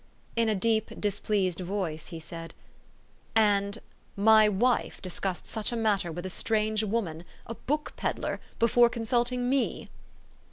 In a deep, displeased voice he said, " And my wife discussed such a matter with a strange woman, a book peddler, before consulting me?"